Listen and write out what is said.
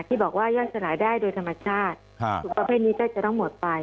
ที่บอกว่าย่อยสลายได้โดยธรรมชาติสูงประเภทนี้ก็จะต้องหมดไป